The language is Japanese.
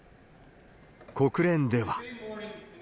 国連では。